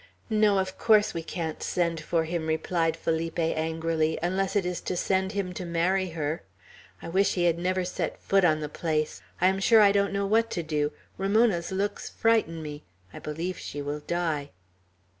"No; of course we can't send for him," replied Felipe, angrily; "unless it is to send him to marry her; I wish he had never set foot on the place. I am sure I don't know what to do. Ramona's looks frighten me. I believe she will die."